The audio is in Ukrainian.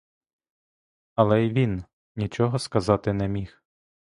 Але й він нічого сказати не міг.